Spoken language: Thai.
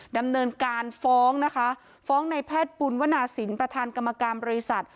ดำเนินการฟ้องนะคะฟ้องในแพทย์ปุณวนาศิลป์ประธานกรรมการบริษัท